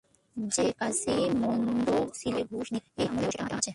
সে কাজি মন্দ ছিল সে ঘুষ নিত, এ আমলেও সেটা আছে।